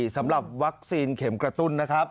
สำหรับวัคซีนเข็มกระตุ้นนะครับ